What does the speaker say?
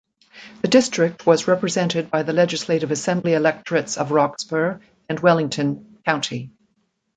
The district was represented by the Legislative Assembly electorates of Roxburgh and Wellington (County).